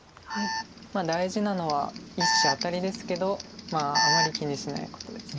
大事なのは１子アタリですけどあまり気にしないことです。